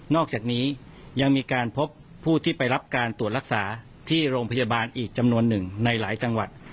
อกจากนี้ยังมีการพบผู้ที่ไปรับการตรวจรักษาที่โรงพยาบาลอีกจำนวนหนึ่งในหลายจังหวัด